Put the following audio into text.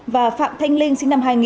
và phạm thanh linh sinh năm hai nghìn